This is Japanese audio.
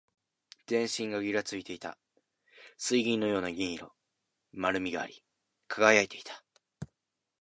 全身がぎらついていた。水銀のような銀色。丸みがあり、輝いていた。